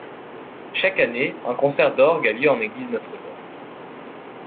Chaque année, un concert d'orgue a lieu en l'église Notre-Dame.